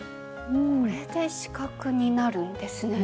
これで四角になるんですね。